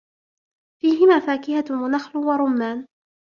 فِيهِمَا فَاكِهَةٌ وَنَخْلٌ وَرُمَّانٌ